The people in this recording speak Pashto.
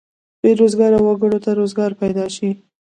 بې روزګاره وګړو ته روزګار پیدا شي.